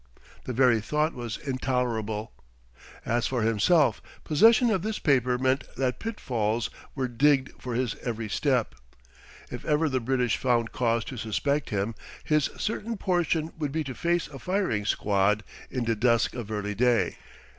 The very thought was intolerable.... As for himself, possession of this paper meant that pitfalls were digged for his every step. If ever the British found cause to suspect him, his certain portion would be to face a firing squad in dusk of early day.